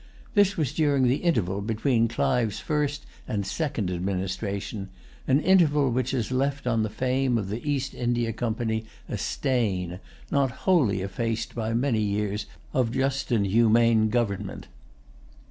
This was during the interval between Clive's first and second administration, an interval which has left on the fame of the East India Company a stain, not wholly effaced by many years of just and humane government.